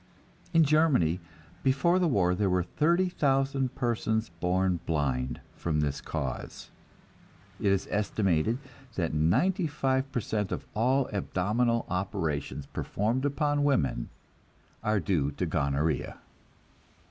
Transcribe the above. In Germany, before the war, there were thirty thousand persons born blind from this cause. It is estimated that ninety five per cent of all abdominal operations performed upon women are due to gonorrhea.